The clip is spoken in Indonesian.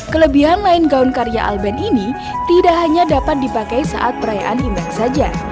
kelebihan lain gaun karya alben ini tidak hanya dapat dipakai saat perayaan imlek saja